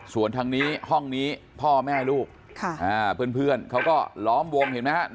ส่วนทางนี้ห้องนี้พ่อแม่ลูกเพื่อนเขาก็ล้อมวงเห็นไหมครับ